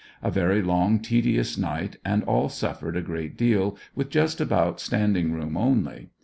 A very long, tedious night, and all suffered a great deal with just about standing room only.